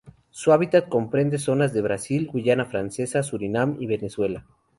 Su hábitat comprende zonas de Brasil, Guayana Francesa, Surinam y Venezuela.